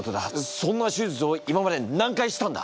そんな手術を今まで何回したんだ？